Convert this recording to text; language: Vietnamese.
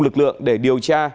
lực lượng để điều tra